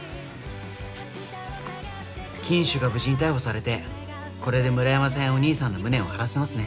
金主が無事に逮捕されてこれで村山さんやお兄さんの無念を晴らせますね。